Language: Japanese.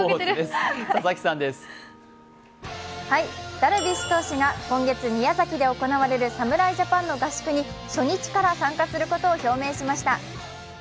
ダルビッシュ投手が今月宮崎で行われる侍ジャパンの合宿に初日から参加することを表明しました。